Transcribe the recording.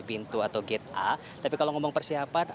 pintu atau gate a tapi kalau ngomong persiapan